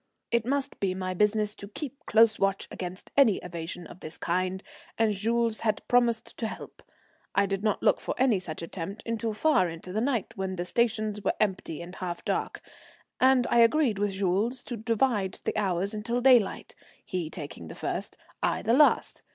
It must be my business to keep close watch against any evasion of this kind, and Jules had promised to help. I did not look for any such attempt until far into the night, when the stations were empty and half dark, and I agreed with Jules to divide the hours till daylight, he taking the first, I the last.